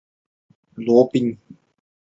镍镉电池是一种流行的蓄电池。